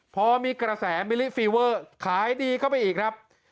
พอมีกระแสมิลิฟีเวอร์ขายดีเข้าไปอีกครับ